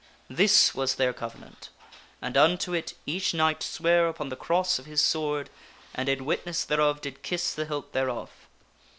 This was their covenant, and unto it each knight sware upon the cross of his sword, and in witness thereof did kiss the hilt thereof.